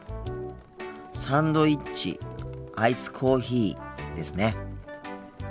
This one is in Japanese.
「サンドイッチ」「アイスコーヒー」ですね。